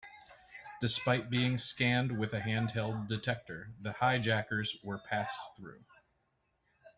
Despite being scanned with a hand-held detector, the hijackers were passed through.